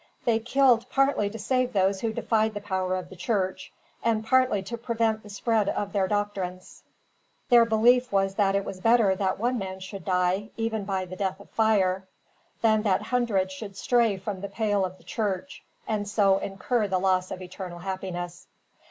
They killed partly to save those who defied the power of the church, and partly to prevent the spread of their doctrines. Their belief was that it was better that one man should die, even by the death of fire, than that hundreds should stray from the pale of the church, and so incur the loss of eternal happiness.